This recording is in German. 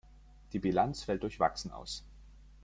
Die Bilanz fällt durchwachsen aus.